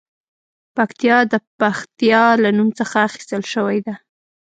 پکتیا د پښتیا له نوم څخه اخیستل شوې ده